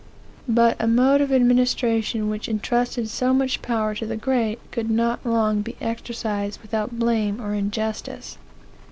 "But a mode of administration which intrusted so much power to the great could not long be exercised without blame or injustice.